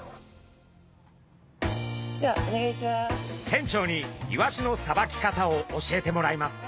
船長にイワシのさばき方を教えてもらいます。